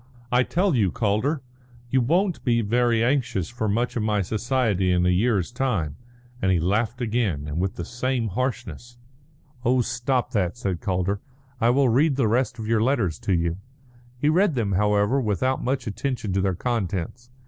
I tell you, Calder, you won't be very anxious for much of my society in a year's time," and he laughed again and with the same harshness. "Oh, stop that," said Calder; "I will read the rest of your letters to you." He read them, however, without much attention to their contents.